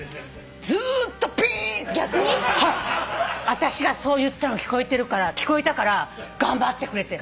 あたしがそう言ったの聞こえてるから聞こえたから頑張ってくれて。